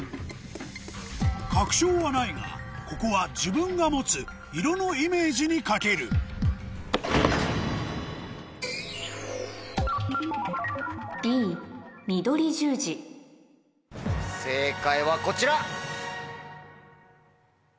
確証はないがここは自分が持つ色のイメージにかける正解はこちら。